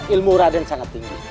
ilmu raden sangat tinggi